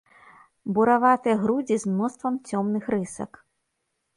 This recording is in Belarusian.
Бураватыя грудзі з мноствам цёмных рысак.